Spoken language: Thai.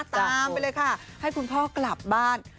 ตามไปเลยค่ะให้คุณพ่อกลับบ้าน